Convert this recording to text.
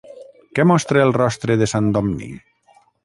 Què mostra el rostre de Sant Domní?